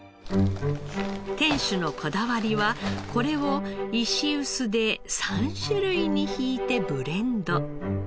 店主のこだわりはこれを石臼で３種類に挽いてブレンド。